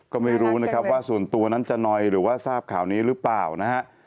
ก็ไม่รู้นะครับว่าส่วนตัวนั้นจะนอยหรือว่าทราบข่าวนี้หรือเปล่านะฮะ